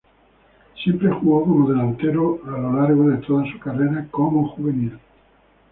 Siempre jugó como delantero a lo largo de toda su carrera como juvenil.